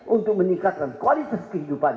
untuk meningkatkan kualitas kehidupan